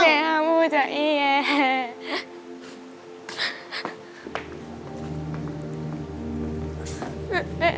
แม่ห่วงจากอีแม่